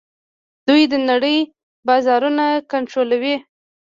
دوی د نړۍ بازارونه کنټرولوي.